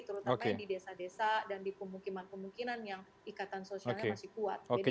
terutama yang di desa desa dan di pemukiman pemukiman yang ikatan sosialnya masih kuat